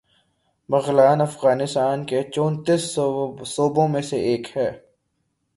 بغلان افغانستان کے چونتیس صوبوں میں سے ایک ہے